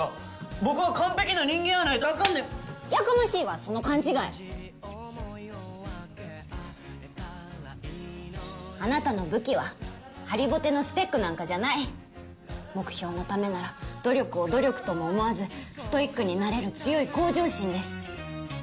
僕は完璧な人間やないとあかんねんやかましいわその勘違いあなたの武器は張りぼてのスペックなんかじゃない目標のためなら努力を努力とも思わずストイックになれる強い向上心です